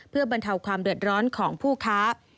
เพื่อบรรเทาความเดือดร้อนของผู้ค้า